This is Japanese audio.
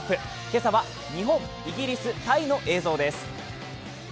今朝は日本、イギリス、タイの映像です。